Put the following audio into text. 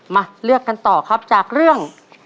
มาเลือกกันต่อครับจากเรื่อง